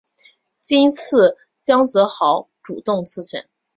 今次江泽濠自动当选。